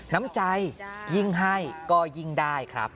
น้ำใจยิ่งให้ก็ยิ่งได้ครับ